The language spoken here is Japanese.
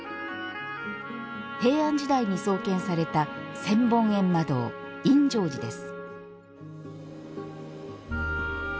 平安時代に創建された千本ゑんま堂引接寺です。